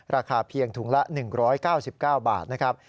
ราคาเพียงถุงละ๑๙๙บาทนะครับ